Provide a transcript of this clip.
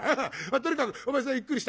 とにかくお前さんゆっくりして。